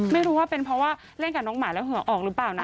ไม่รู้ว่าเป็นเพราะว่าเล่นกับน้องหมาแล้วเหือออกหรือเปล่านะ